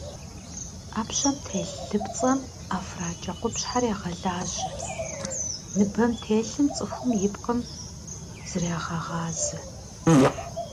Ӏэпщэм телъ лыпцӏэм ӏэфракӏэ къупщхьэр егъэлажьэ, ныбэм телъым цӏыхум и пкъым зрегъэгъазэ.